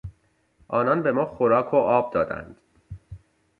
آنان به ما خوراک و آب دادند.